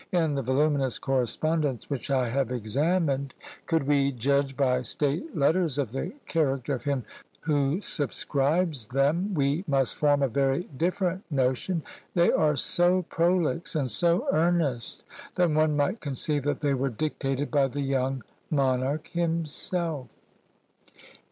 In the voluminous correspondence which I have examined, could we judge by state letters of the character of him who subscribes them, we must form a very different notion; they are so prolix, and so earnest, that one might conceive they were dictated by the young monarch himself!